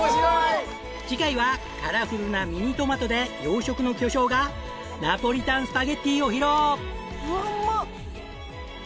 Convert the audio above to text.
次回はカラフルなミニトマトで洋食の巨匠がナポリタンスパゲッティを披露！